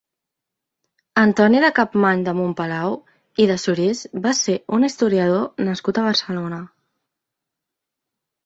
Antoni de Capmany de Montpalau i de Surís va ser un historiador nascut a Barcelona.